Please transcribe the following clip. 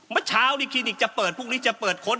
เมื่อเช้านี้คลินิกจะเปิดพรุ่งนี้จะเปิดค้น